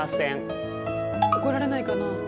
怒られないかな。